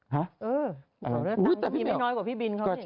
ฮะเออเอาเรื่องน้อยกว่าพี่บินเขาเนี้ย